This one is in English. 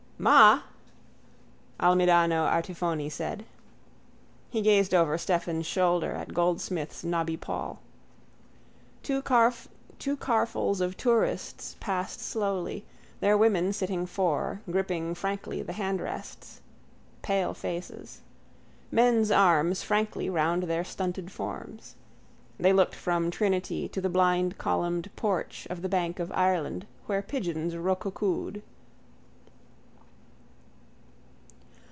—Ma! Almidano Artifoni said. He gazed over Stephen's shoulder at Goldsmith's knobby poll. Two carfuls of tourists passed slowly, their women sitting fore, gripping the handrests. Palefaces. Men's arms frankly round their stunted forms. They looked from Trinity to the blind columned porch of the bank of Ireland where pigeons roocoocooed.